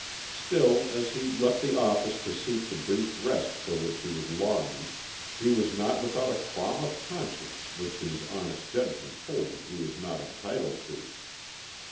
Still, as he left the office to seek the brief rest for which he was longing, he was not without a qualm of conscience which his honest judgment told him he was not entitled to.